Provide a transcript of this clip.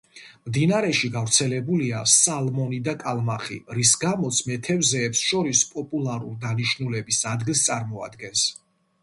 მდინარეში გავრცელებულია სალმონი და კალმახი, რის გამოც მეთევზეებს შორის პოპულარულ დანიშნულების ადგილს წარმოადგენს.